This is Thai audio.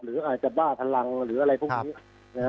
หรืออาจจะบ้าพลังหรืออะไรพวกนี้นะฮะ